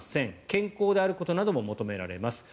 健康であることなども求められます。